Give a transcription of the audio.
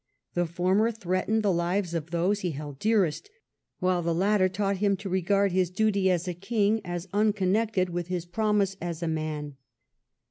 The former threatened the lives of those he held dearest, while the latter taught him to regard his duty as a king as unconnected with his promise as a man.